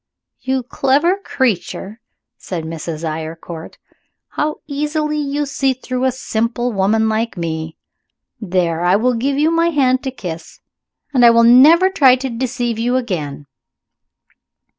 "You clever creature!" said Mrs. Eyrecourt. "How easily you see through a simple woman like me! There I give you my hand to kiss and I will never try to deceive you again.